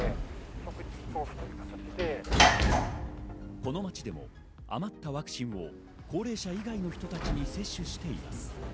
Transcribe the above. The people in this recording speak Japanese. この町でも余ったワクチンを高齢者以外の人たちに接種しています。